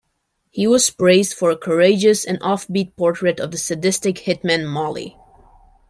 He was praised for a courageous and offbeat portrait of the sadistic hitman Molly.